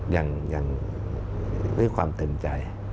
อย่างได้ความเต็มใจ